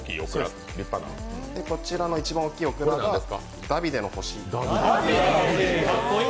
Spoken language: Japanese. こちらの一番大きいオクラがダビデの星。